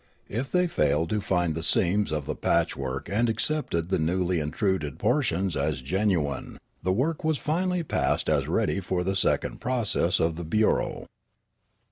Ifthej^ failed to find the seams of the patchwork and accepted the newly intruded portions as genuine, the work was finally passed as ready for the second process of the bureau.